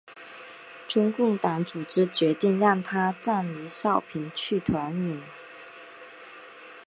中共党组织决定让他暂离阜平去绥远。